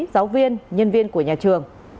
giáo viên nhân viên của nhà trường